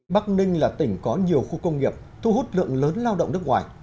bắc ninh là tỉnh có nhiều khu công nghiệp thu hút lượng lớn lao động nước ngoài